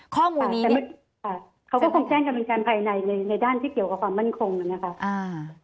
ข้อมูลนี้ค่ะเขาก็คงแจ้งกรรมการภายในในด้านที่เกี่ยวกับความมั่นคงนะคะ